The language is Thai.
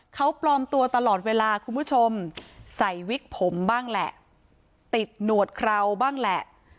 เขาปลอมตัวตลอดเวลาคุณผู้ชมใส่วิกผมบ้างแหละติดหนวดเคราวบ้างแหละ